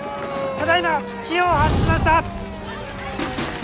ただいま火を発しました！